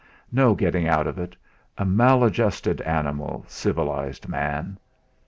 No getting out of it a maladjusted animal, civilised man!